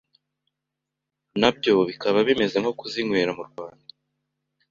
nabyo bikaba bimeze nko kuzinywera mu Rwanda